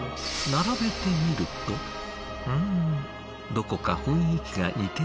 並べてみるとうんどこか雰囲気が似ているような。